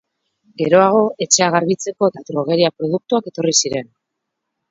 Geroago etxea garbitzeko eta drogeria produktuak etorri ziren.